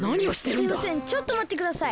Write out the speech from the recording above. すいませんちょっとまってください。